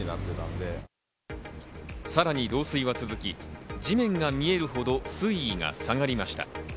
さらに漏水は続き、地面が見えるほど水位が下がりました。